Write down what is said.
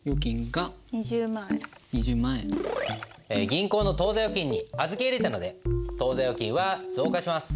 銀行の当座預金に預け入れたので当座預金は増加します。